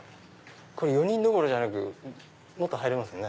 これ４人どころじゃなくもっと入れますね。